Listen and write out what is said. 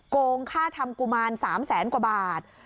โกงค่าทำกุมาร๓แสนกว่าบาท